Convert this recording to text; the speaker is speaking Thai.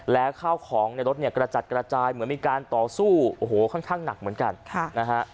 และข้าวของในรถกระจัดจายเหมือนมีการต่อสู้โอ้โหค่อนหนักเหมือนกันนะครับ